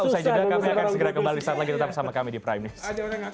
usai jeda kami akan segera kembali saat lagi tetap bersama kami di prime news